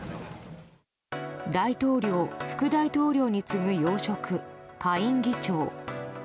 大統領、副大統領に次ぐ要職下院議長。